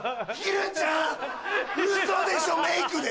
ウソでしょメイクで。